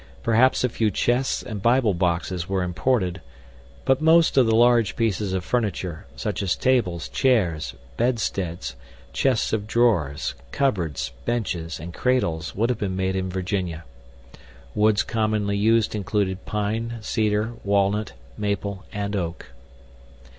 Perhaps a few chests and Bible boxes were imported, but most of the large pieces of furniture, such as tables, chairs, bedsteads, chests of drawers, cupboards, benches, and cradles would have been made in Virginia. Woods commonly used included pine, cedar, walnut, maple, and oak.